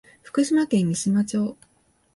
福島県三島町